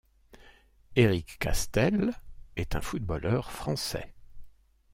Éric Castel est un footballeur français.